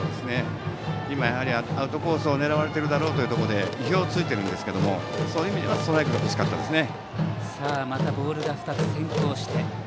アウトコースを狙われているので意表を突いてるんですけどそういう意味ではストライクが欲しかったですね。